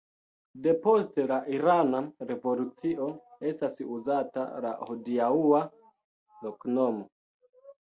Depost la irana revolucio estas uzata la hodiaŭa loknomo.